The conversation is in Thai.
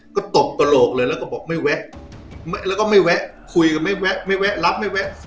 ก็ตบกระโหลกเลยแล้วก็บอกไม่แวะแล้วก็ไม่แวะคุยกันไม่แวะไม่แวะรับไม่แวะ